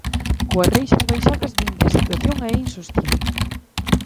Coas reixas baixadas din que a situación é insostible.